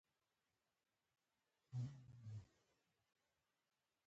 تاسې څنګه کولای شئ له دې قدرته ګټه واخلئ.